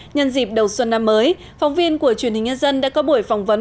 nhân dịp đầu xuân năm mới phóng viên của truyền hình nhân dân đã có buổi phỏng vấn